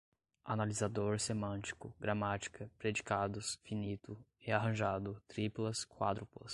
analisador, semântico, gramática, predicados, finito, rearranjado, triplas, quádruplas